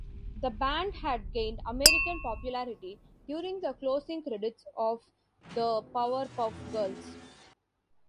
The band had gained American popularity during the closing credits of "The Powerpuff Girls".